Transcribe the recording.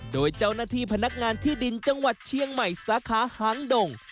โดยเจ้าหน้าที่พนักงานที่ดินจังหวัดเชียงใหม่สาขาหางดง